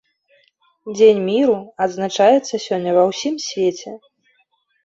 Дзень міру адзначаецца сёння ва ўсім свеце.